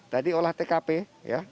tadi olah tkp ya